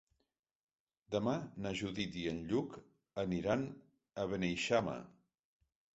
Demà na Judit i en Lluc aniran a Beneixama.